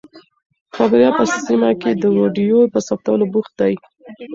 خبریال په سیمه کې د ویډیو په ثبتولو بوخت دی.